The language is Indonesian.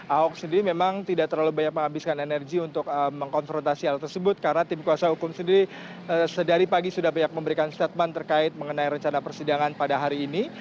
ahok sendiri memang tidak terlalu banyak menghabiskan energi untuk mengkonfrontasi hal tersebut karena tim kuasa hukum sendiri sedari pagi sudah banyak memberikan statement terkait mengenai rencana persidangan pada hari ini